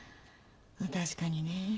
確かにね。